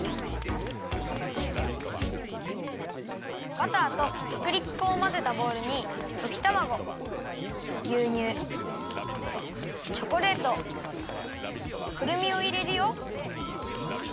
バターとはくりき粉をまぜたボウルにときたまごぎゅうにゅうチョコレートくるみをいれるよ。